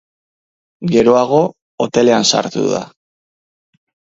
Geroago, hotelean sartu da.